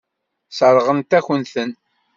Sseṛɣent-akent-ten.